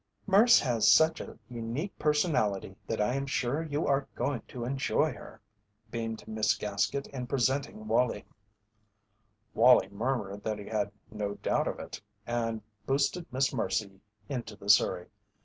"Merce has such a unique personality that I am sure you are going to enjoy her," beamed Miss Gaskett in presenting Wallie. Wallie murmured that he had no doubt of it, and boosted Miss Mercy into the surrey.